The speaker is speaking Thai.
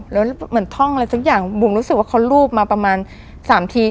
แล้วเหมือนท่องอะไรสักอย่างบุ๋มรู้สึกว่าเขารูปมาประมาณ๓ที